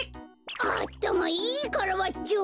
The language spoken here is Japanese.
あったまいいカラバッチョ！